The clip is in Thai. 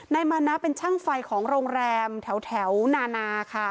นายมานะเป็นช่างไฟของโรงแรมแถวนานาค่ะ